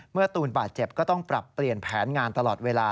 ตูนบาดเจ็บก็ต้องปรับเปลี่ยนแผนงานตลอดเวลา